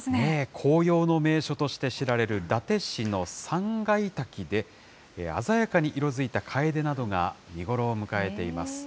紅葉の名所として知られる伊達市の三階滝で、鮮やかに色づいたカエデなどが見頃を迎えています。